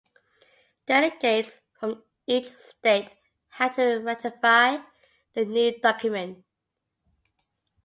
Delegates from each state had to ratify the new document.